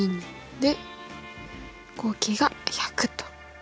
で合計が１００と。